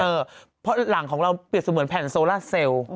เพราะหลังของเราเปรียบเสมือนแผ่นโซล่าเซลล์